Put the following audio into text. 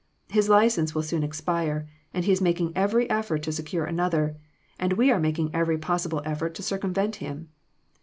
His license will soon expire, and he is making every effort to secure another, and we are making every possible effort to circumvent him.